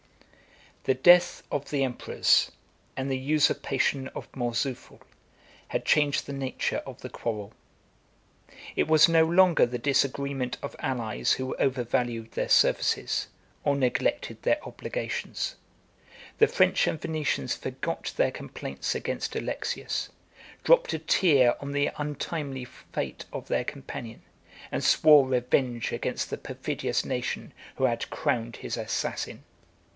] The death of the emperors, and the usurpation of Mourzoufle, had changed the nature of the quarrel. It was no longer the disagreement of allies who overvalued their services, or neglected their obligations: the French and Venetians forgot their complaints against Alexius, dropped a tear on the untimely fate of their companion, and swore revenge against the perfidious nation who had crowned his assassin.